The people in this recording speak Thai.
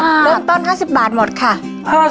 เริ่มต้น๕๐บาทหมดค่ะ๕๐บาท